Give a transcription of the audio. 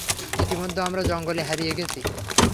ইতিমধ্যে, আমরা জঙ্গলে হারিয়ে গেছি।